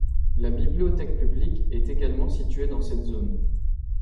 La bibliothèque publique est également située dans cette zone.